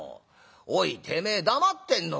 おいてめえ黙ってんのか」。